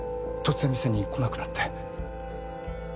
突然店に来なくなって。